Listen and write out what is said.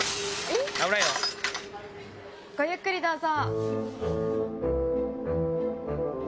ごゆっくりどうぞ。